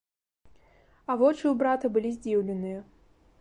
А вочы ў брата былі здзіўленыя.